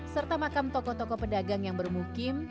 serta makam tokoh tokoh pedagang yang bermukim